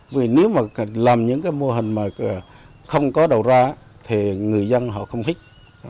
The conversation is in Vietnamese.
vì nếu mà làm những cái mô hình mà không có đầu ra thì người dân họ không thích